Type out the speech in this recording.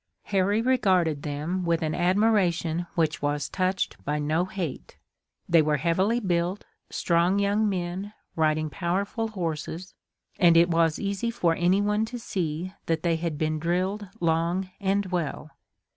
Harry regarded them with an admiration which was touched by no hate. They were heavily built, strong young men, riding powerful horses, and it was easy for anyone to see that they had been drilled long and well.